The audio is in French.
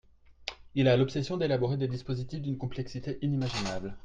Il a l’obsession d’élaborer des dispositifs d’une complexité inimaginable.